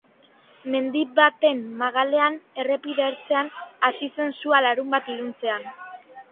Mendi baten magalean, errepide ertzean, hasi zen sua larunbat iluntzean.